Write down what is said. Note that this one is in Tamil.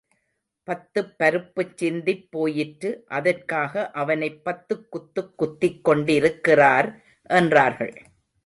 பத்துப் பருப்புச் சிந்திப் போயிற்று, அதற்காக அவனைப் பத்துக் குத்துக் குத்திக் கொண்டிருக்கிறார் என்றார்கள்.